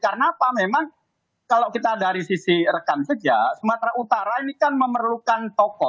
karena apa memang kalau kita dari sisi rekan sejak sumatera utara ini kan memerlukan toko